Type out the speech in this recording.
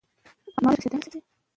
ښوونکی د ټولنې معمار ګڼل کېږي.